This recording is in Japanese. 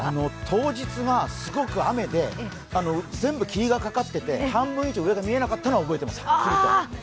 当日がすごく雨で全部、霧がかかっていて半分以上見えなかったのは覚えています。